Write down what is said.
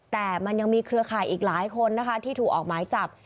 แต่มันยังมีเครือข่ายอีกหลายคนนะคะที่ถูกออกหมายจับ